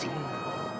eh ini ada ada